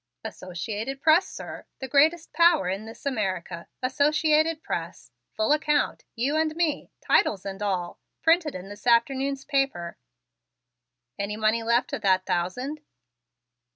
"Associated Press, sir. The greatest power in this America. Associated Press! Full account, you and me, titles and all, printed in this afternoon's paper. Any money left of that thousand?"